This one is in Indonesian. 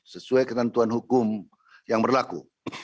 sesuai ketentuan hukum yang berlaku